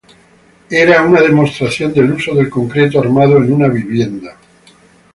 Era una demostración del uso del concreto armado en una vivienda.